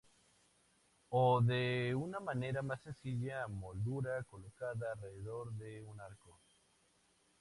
O de una manera más sencilla, moldura colocada alrededor de un arco.